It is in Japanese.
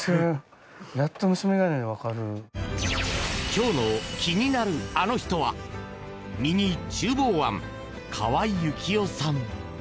今日の気になるアノ人はミニ厨房庵、河合行雄さん。